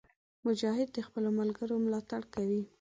مجاهد د خپلو ملګرو ملاتړ کوي.